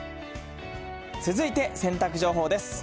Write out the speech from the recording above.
続いて洗濯情報です。